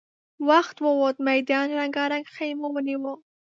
وخت ووت، ميدان رنګارنګ خيمو ونيو.